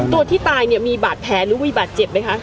ตัวที่ตายเนี่ยมีบาดแผลหรือมีบาดเจ็บไหมคะ